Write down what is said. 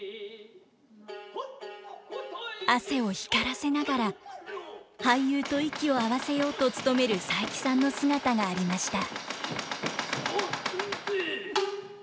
汗を光らせながら俳優と息を合わせようと努める佐伯さんの姿がありました。